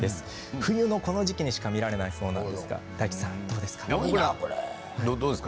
冬のこの時期しか見られないそうなんですが大吉さん、どうですか。